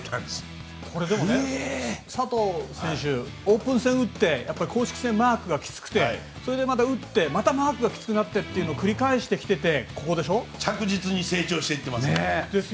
でも、佐藤選手オープン戦打って公式戦はマークがきつくなってそれでまた打ってまたマークがきつくなってというのを繰り返してきて着実に成長しています。